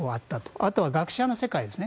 あとは学者の世界ですね。